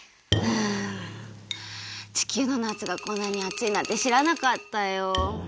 はあ地球のなつがこんなにあついなんてしらなかったよ。